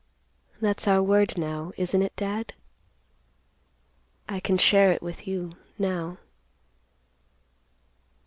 That's our word, now, isn't it, Dad? I can share it with you, now."